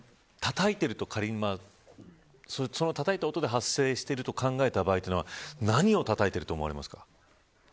斎藤さん、たたいているとたたいた音で発生していると考えた場合何をたたいていると思いますか。